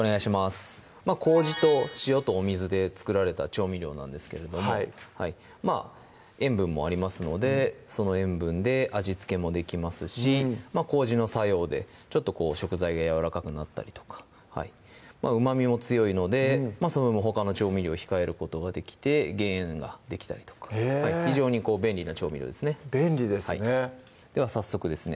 麹と塩とお水で作られた調味料なんですけれども塩分もありますのでその塩分で味付けもできますし麹の作用でちょっとこう食材がやわらかくなったりとかうまみも強いのでその分ほかの調味料控えることができて減塩ができたりとかへぇ非常に便利な調味料ですね便利ですねでは早速ですね